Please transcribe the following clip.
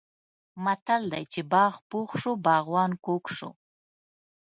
متل دی: چې باغ پوخ شو باغوان کوږ شو.